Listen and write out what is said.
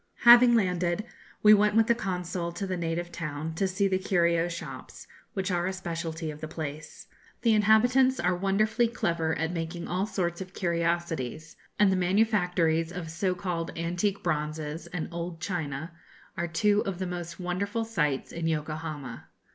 Having landed, we went with the Consul to the native town, to see the curio shops, which are a speciality of the place. The inhabitants are wonderfully clever at making all sorts of curiosities, and the manufactories of so called 'antique bronzes' and 'old china' are two of the most wonderful sights in Yokohama.